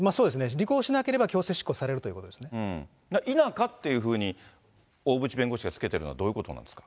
履行しなければ強制執行されると否かっていうふうに、大渕弁護士がつけてるのはどういうことなんですか。